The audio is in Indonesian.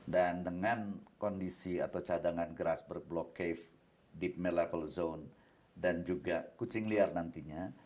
dan dengan kondisi atau cadangan grassberg blue cave deep mill level zone dan juga kucing liar nantinya